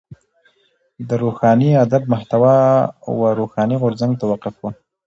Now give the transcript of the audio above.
د روښاني ادب محتوا و روښاني غورځنګ ته وقف وه.